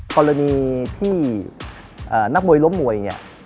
กรณีที่นักมวยล้มมวยเนี่ย